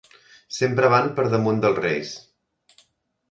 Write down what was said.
Sempre van per damunt dels reis.